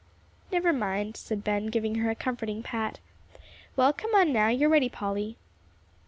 "Never mind," said Ben, giving her a comforting pat. "Well, come on, now you're ready, Polly."